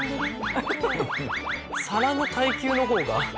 皿の耐久の方が。